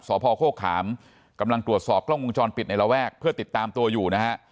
สพโฆขามกำลังตรวจสอบกล้องวงจรปิดในระแวกเพื่อติดตามตัวอยู่นะฮะ